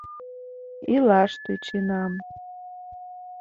— Илаш тӧченам...